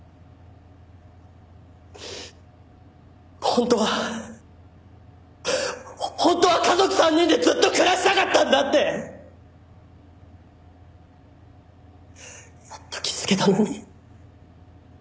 本当は本当は家族３人でずっと暮らしたかったんだってやっと気づけたのに。